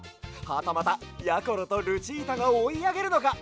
はたまたやころとルチータがおいあげるのか？